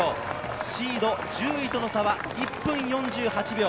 シード１０位との差は１分４８秒。